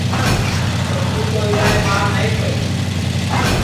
چکُو تو اِدؔائے مار نائی پڑی